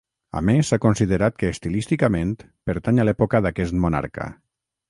A més s'ha considerat que estilísticament pertany a l'època d'aquest monarca.